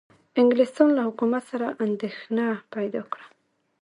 انګلستان له حکومت سره اندېښنه پیدا کړه.